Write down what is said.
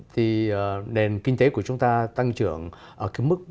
thì nền kinh tế của chúng ta tăng trưởng ở mức bất động